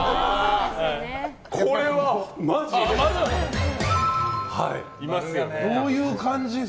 これはマジで。